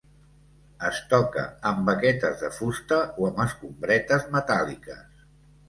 Es toca amb baquetes de fusta o amb escombretes metàl·liques.